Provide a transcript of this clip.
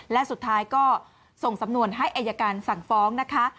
และสุดท้ายก็ส่งสำนวนให้อายการสั่งฟ้องนะคะ